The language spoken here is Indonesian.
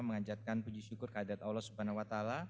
mengajakkan puji syukur keadat allah swt